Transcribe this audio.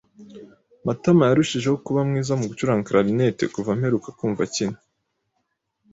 Matama yarushijeho kuba mwiza mu gucuranga Clarinet kuva mperuka kumva akina.